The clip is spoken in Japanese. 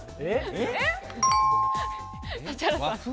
指原さん。